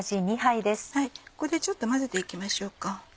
ここでちょっと混ぜて行きましょうか。